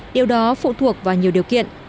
điều đó phụ thuộc vào nhiều điều kiện